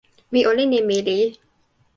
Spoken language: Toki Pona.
mi olin e meli.